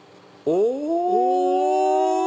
お！